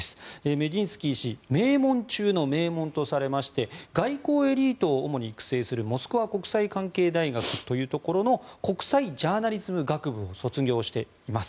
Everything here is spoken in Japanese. メジンスキー氏名門中の名門とされまして外交エリートを主に育成するモスクワ国際関係大学の国際ジャーナリズム学部を卒業しています。